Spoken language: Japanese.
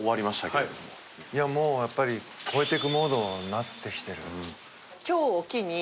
もうやっぱり超えてくモードになってきてる。